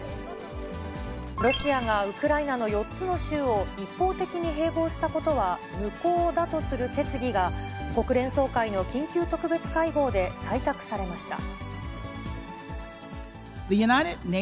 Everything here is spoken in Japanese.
ロシアがウクライナの４つの州を一方的に併合したことは無効だとする決議が、国連総会の緊急特別会合で採択されました。